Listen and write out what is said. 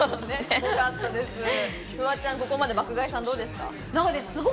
フワちゃん、ここまで爆買いさん、どうですか？